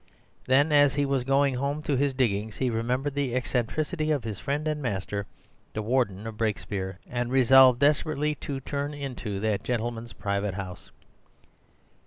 Then, as he was going home to his diggings he remembered the eccentricity of his friend and master, the Warden of Brakespeare, and resolved desperately to turn in to that gentleman's private house.